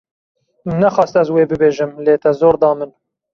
Min nexwast ez wê bibêjim lê te zor da min.